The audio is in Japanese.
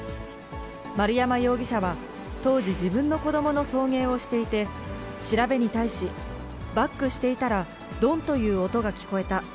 丸山容疑者は当時、自分の子どもの送迎をしていて、調べに対し、バックしていたらどんという音が聞こえた。